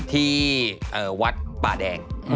ที่อ่ะวัดปลาแดง